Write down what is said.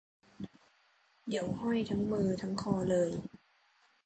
เดี๋ยวห้อยทั้งมือทั้งคอเลย